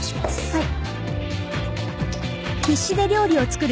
はい。